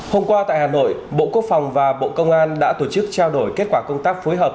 hôm qua tại hà nội bộ quốc phòng và bộ công an đã tổ chức trao đổi kết quả công tác phối hợp